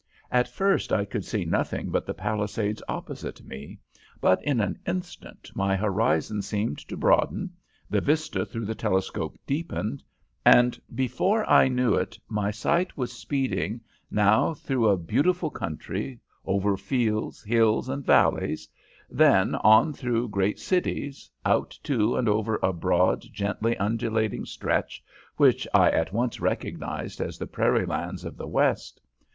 At first I could see nothing but the Palisades opposite me, but in an instant my horizon seemed to broaden, the vista through the telescope deepened, and before I knew it my sight was speeding, now through a beautiful country, over fields, hills, and valleys; then on through great cities, out to and over a broad, gently undulating stretch which I at once recognized as the prairie lands of the west.